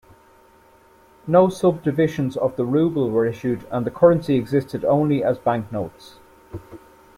No subdivisions of the ruble were issued and the currency existed only as banknotes.